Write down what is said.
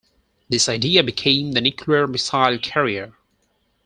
This idea became the nuclear missile carrier.